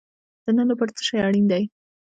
د نن لپاره څه شی اړین دی؟